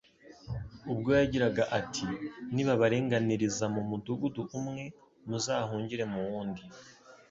ubwo yagiraga ati: "Nibabarenganiriza mu mudugudu umwe, muzahungire mu wundi."